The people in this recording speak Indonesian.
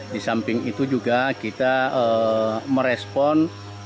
di samping itu juga kita merespon